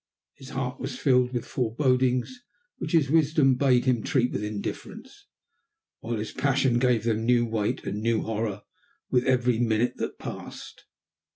His heart was filled with forebodings which his wisdom bade him treat with indifference, while his passion gave them new weight and new horror with every minute that passed.